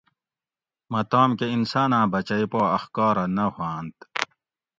مہ تام کہ انساناں بچئی پا اخکارہ نہ ہوانت